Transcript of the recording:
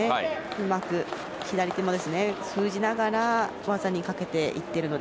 うまく左手も封じながら技にかけていっているので。